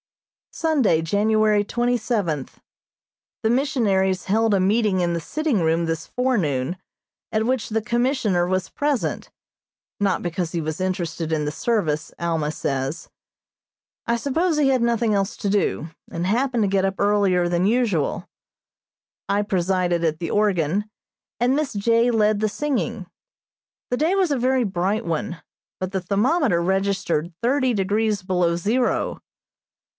Sunday, January twenty seventh: The missionaries held a meeting in the sitting room this forenoon at which the Commissioner was present, not because he was interested in the service, Alma says. I suppose he had nothing else to do, and happened to get up earlier than usual. I presided at the organ, and Miss J. led the singing. The day was a very bright one, but the thermometer registered thirty degrees below zero.